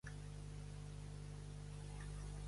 Smalls Theater en Pittsburgh.